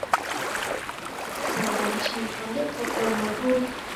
Cả đám chỉ còn biết gật đầu mà thôi